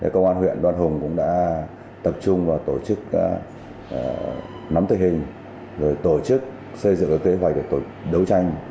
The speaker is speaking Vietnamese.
công an huyện đoàn hùng cũng đã tập trung vào tổ chức nắm tình hình tổ chức xây dựng kế hoạch đấu tranh